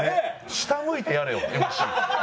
下向いてやれよＭＣ。